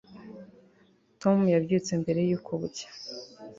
tom yabyutse mbere yuko bucya